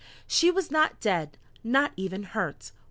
She was not dead not even hurt.